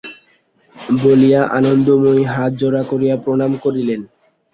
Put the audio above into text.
বলিয়া আনন্দময়ী হাত জোড় করিয়া প্রণাম করিলেন।